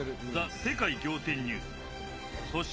世界仰天ニュース、そして。